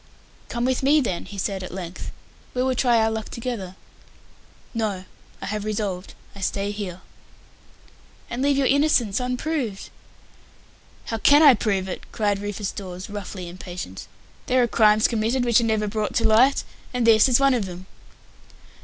"Come with me then," he said, at length. "We will try our luck together." "No. I have resolved. I stay here." "And leave your innocence unproved." "How can I prove it?" cried Rufus Dawes, roughly impatient. "There are crimes committed which are never brought to light, and this is one of them."